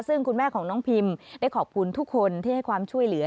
ซึ่งคุณแม่ของน้องพิมได้ขอบคุณทุกคนที่ให้ความช่วยเหลือ